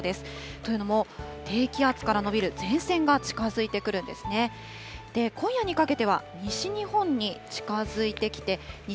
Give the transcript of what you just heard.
というのも、低気圧から延びる前線が近づいてくるんですね。